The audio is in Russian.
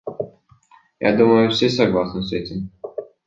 Я думаю, все согласны с этим.